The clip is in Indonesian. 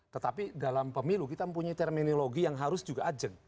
tetapi dalam pemilu kita mempunyai terminologi yang harus juga agent